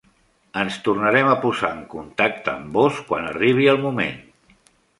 Ens tornarem a posar en contacte amb vós quan arribi el moment.